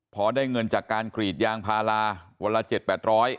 พอได้เงินจากการกรีดยางพาราวันละ๗๘๐๐บาท